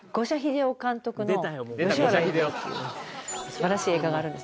すばらしい映画があるんです